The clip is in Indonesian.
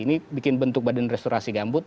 ini bikin bentuk badan restorasi gambut